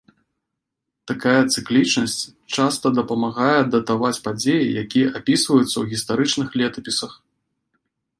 Такая цыклічнасць часта дапамагае датаваць падзеі, якія апісваюцца ў гістарычных летапісах.